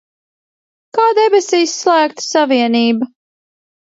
Kā Debesīs slēgta savienība!